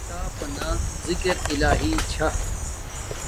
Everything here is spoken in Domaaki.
کتاپ بانا زکر الہی چھا